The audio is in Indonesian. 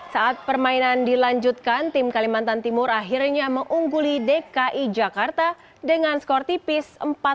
saat permainan dilanjutkan tim kalimantan timur akhirnya mengungguli dki jakarta dengan skor tipis empat puluh lima empat puluh empat